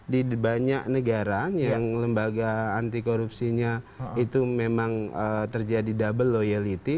di banyak negara yang lembaga anti korupsinya itu memang terjadi double loyalty